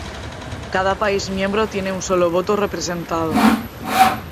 Cada país miembro tiene un solo voto representado.